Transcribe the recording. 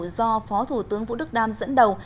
do phó thủ tướng vũ đức đam dẫn đầu